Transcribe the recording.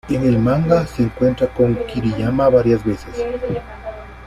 En el manga, se encuentra con Kiriyama varias veces.